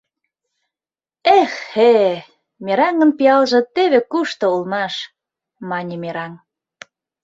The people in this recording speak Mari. «Эх-хе, мераҥын пиалже теве кушто улмаш! — мане мераҥ.